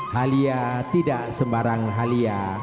halia tidak sembarang halia